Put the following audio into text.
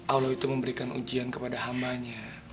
allah itu memberikan ujian kepada hamanya